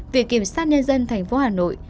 viện kiểm sát nhân dân tp hà nội